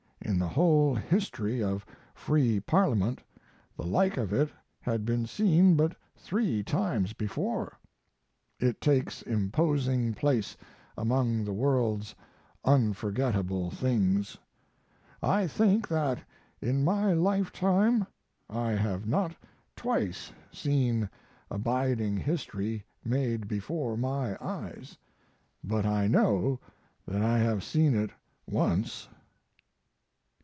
In the whole history of free parliament the like of it had been seen but three times before. It takes imposing place among the world's unforgetable things. I think that in my lifetime I have not twice seen abiding history made before my eyes, but I know that I have seen it once.